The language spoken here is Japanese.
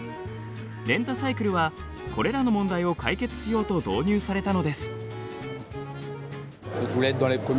レンタサイクルはこれらの問題を解決しようと導入されたのです。